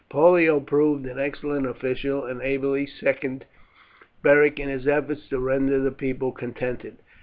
Pollio proved an excellent official, and ably seconded Beric in his efforts to render the people contented.